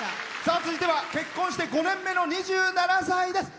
続いては結婚して５年目の２７歳です。